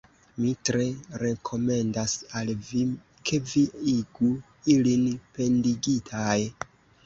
Mi tre rekomendas al vi, ke vi igu ilin pendigitaj.